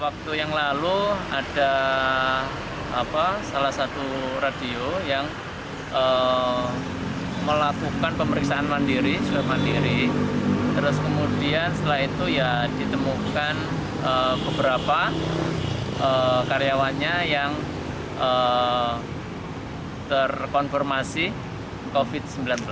kru yang terkonfirmasi covid sembilan belas